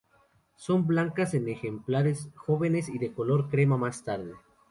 Son blancas en ejemplares jóvenes y de color crema más tarde.